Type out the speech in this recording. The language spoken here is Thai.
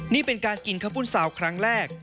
นี่เป็นการกินข้าวปุ้นซาวครั้งแรก